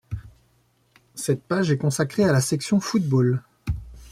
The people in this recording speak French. Cette page est consacrée à la section football.